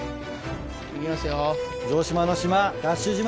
行きますよ。